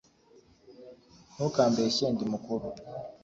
ntukambeshye ndi mukuru